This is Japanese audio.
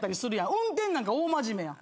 運転なんか大真面目やん。